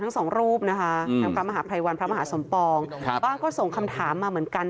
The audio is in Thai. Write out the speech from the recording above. ครูก็ส่งคำถามมาเหมือนกัน